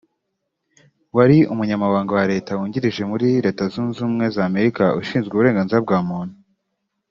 wari Umunyamabanga wa Leta wungirije muri Leta Zunze Ubumwe za Amerika ushinzwe uburenganzira bwa muntu